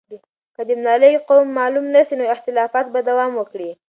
که د ملالۍ قوم معلوم نه سي، نو اختلافات به دوام وکړي.